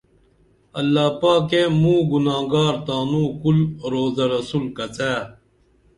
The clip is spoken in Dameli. اللہ پاکیہ موں گُناگارہ تانوں کُل روضہ رسول کڅئں